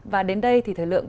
và đến đây thì thời lượng